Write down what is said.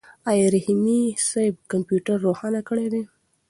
آیا رحیمي صیب کمپیوټر روښانه کړی دی؟